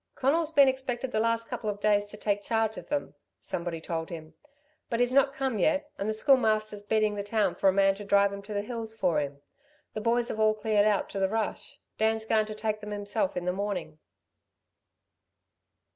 "Conal's been expected the last couple of days to take charge of them," somebody told him. "But he's not come yet, and the Schoolmaster's beating the town for a man to drive 'em to the hills for him. The boys 've all cleared out to the rush. Dan's goin' to take them himself in the morning."